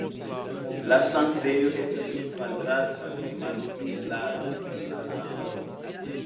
La sanktejo estas kvadrata kaj malpli larĝa, ol la navo.